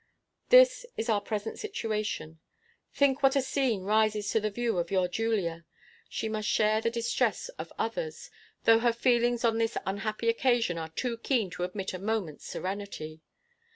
This is our present situation. Think what a scene rises to the view of your Julia. She must share the distress of others, though her own feelings on this unhappy occasion are too keen to admit a moment's serenity.